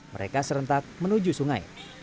mereka serentak menuju sungai